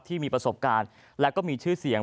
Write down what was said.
ที่มีประสบการณ์และก็มีชื่อเสียง